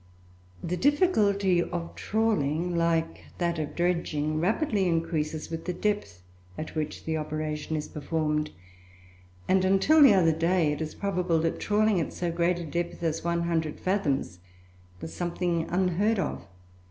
The difficulty of trawling, like that of dredging, rapidly increases with the depth at which the operation is performed; and, until the other day, it is probable that trawling at so great a depth as 100 fathoms was something unheard of.